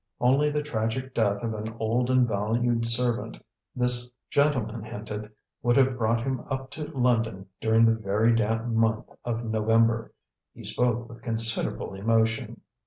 Only the tragic death of an old and valued servant, this gentleman hinted, would have brought him up to London during the very damp month of November. He spoke with considerable emotion.